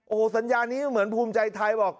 โอ้โหสัญญานี้เหมือนภูมิใจไทยบอก